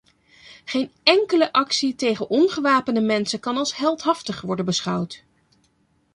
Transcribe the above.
Geen enkele actie tegen ongewapende mensen kan als heldhaftig worden beschouwd.